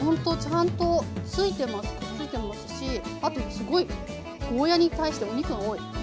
くっついてますしあとすごいゴーヤーに対してお肉が多い。